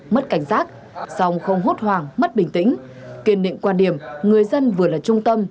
mất cảnh giác song không hốt hoảng mất bình tĩnh kiên định quan điểm người dân vừa là trung tâm